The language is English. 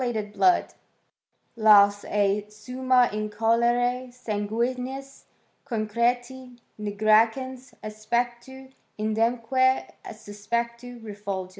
ed blood —" laus ei summa in colore sanguinis con creti, nigricans aspectu, idemque suspectu reful gens."